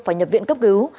và nhập viện cấp cứu